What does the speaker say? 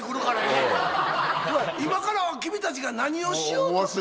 今から君たちが何をしようと。